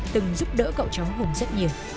từng giúp đỡ cậu cháu hùng rất nhiều